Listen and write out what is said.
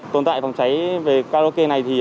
tồn tại phòng cháy về carlocke này